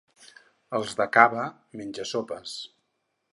Els de Cava, menja-sopes.